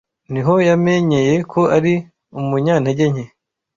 niho yamenyeye ko ari umunyantege nke